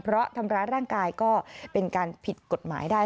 เพราะทำร้ายร่างกายก็เป็นการผิดกฎหมายได้